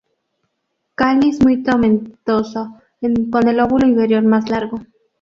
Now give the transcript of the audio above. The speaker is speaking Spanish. Cáliz muy tomentoso, con el lóbulo inferior más largo.